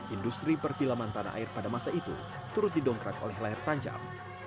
industri perfilman tanah air pada masa itu turut didongkrak oleh layar tancap